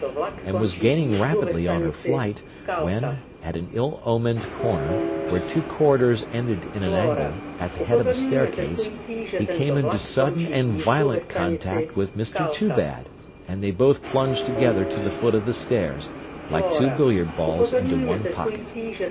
and was gaining rapidly on her flight, when, at an ill omened corner, where two corridors ended in an angle, at the head of a staircase, he came into sudden and violent contact with Mr Toobad, and they both plunged together to the foot of the stairs, like two billiard balls into one pocket.